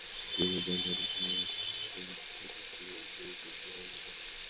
কিন্তু তার পরেও তার ক্ষুরধার বুদ্ধির ছটা বেশ ভালোভাবে টের পাওয়া যেত।